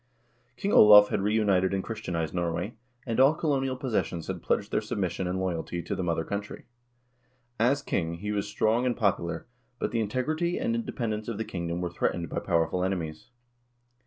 King Olav had reunited and Christianized Norway, and all colonial possessions had pledged their submission and loyalty to the mother country. As king he was strong and popular, but the integrity and independence of the kingdom were threatened by powerful enemies.